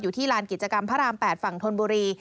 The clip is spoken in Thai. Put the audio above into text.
ที่ลานกิจกรรมพระราม๘ฝั่งธนบุรี